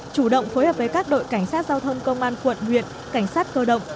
chủ động phối hợp với các đội cảnh sát giao thông công an quận huyện cảnh sát cơ động